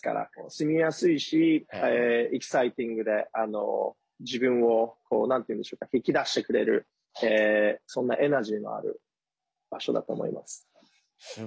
住みやすいしエキサイティングで自分を引き出してくれるそんなエナジーのある場所だと思います。